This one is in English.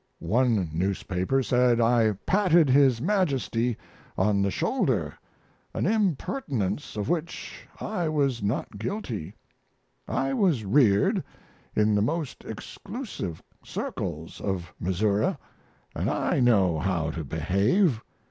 One newspaper said I patted his Majesty on the shoulder an impertinence of which I was not guilty; I was reared in the most exclusive circles of Missouri and I know how to behave.